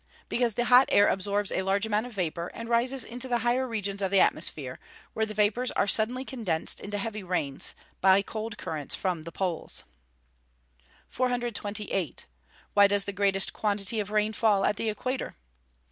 _ Because the hot air absorbs a large amount of vapour, and rises into the higher regions of the atmosphere, where the vapours are suddenly condensed into heavy rains, by cold currents from the poles. 428. _Why does the greatest quantity of rain fall at the equator?